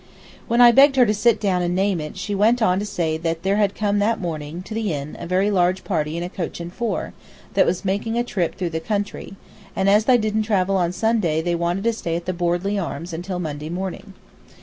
When I begged her to sit down and name it she went on to say there had come that morning to the inn a very large party in a coach and four, that was making a trip through the country, and as they didn't travel on Sunday they wanted to stay at the "Bordley Arms" until Monday morning.